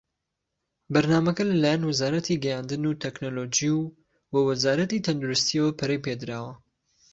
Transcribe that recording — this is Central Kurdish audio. بەرنامەکە لە لایەن وەزارەتی گەیاندن وتەکنەلۆجی و وە وەزارەتی تەندروستییەوە پەرەی پێدراوە.